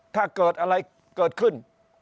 ถ้าเกิดอะไรเกิดขึ้น